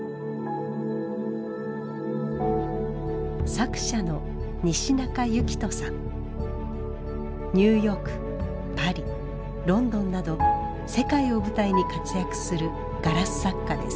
作者のニューヨークパリロンドンなど世界を舞台に活躍するガラス作家です。